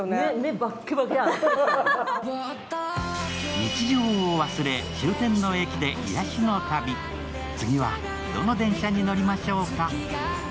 日常を忘れ終点の駅で癒やしの旅、次はどの電車に乗りましょうか。